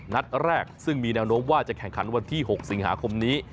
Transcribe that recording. นัดแรกซึ่งมีแนวโน้มว่าจะแข่งขันวันที่๖สิงหาคมนี้